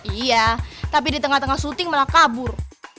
iya tapi di tengah tengah syuting malah kabur